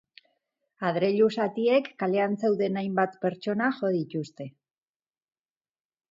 Adreilu zatiek kalean zeuden hainbat pertsona jo dituzte.